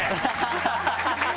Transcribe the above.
ハハハハ！